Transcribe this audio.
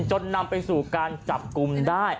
จนนำไปสู่การจับกลุ่มได้